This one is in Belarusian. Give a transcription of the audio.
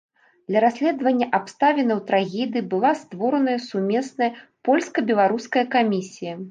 Для расследавання абставінаў трагедыі была створаная сумесная польска-беларуская камісія.